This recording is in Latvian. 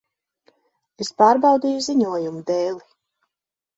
Es pārbaudīju ziņojumu dēli.